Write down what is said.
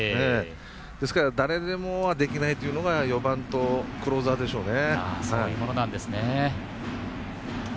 ですから、誰でもはできないというのは４番とクローザーでしょうね。